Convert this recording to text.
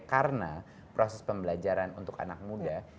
karena proses pembelajaran untuk anak muda